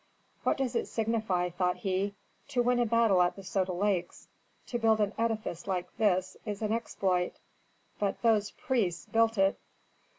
"What does it signify," thought he, "to win a battle at the Soda Lakes? To build an edifice like this is an exploit! But those priests built it."